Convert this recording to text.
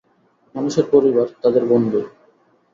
মানুষের পরিবার, তাদের বন্ধু।